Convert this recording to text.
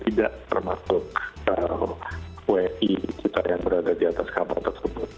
tidak termasuk wni kita yang berada di atas kapal tersebut